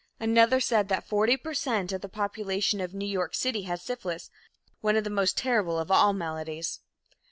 Another said that 40 per cent of the population of New York City had syphilis, one of the most terrible of all maladies.